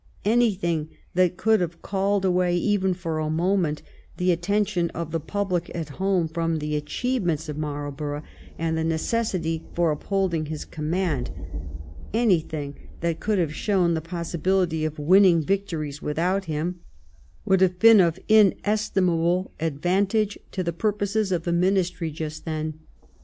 Anything that could have called away, even for a moment, the attention of the public at home from the achievements of Marlborough and the necessity for upholding his command ; anything that could have shown the possibiUty of winning victories without him, would have been of inestimable advantage to the purposes of the Ministry just then.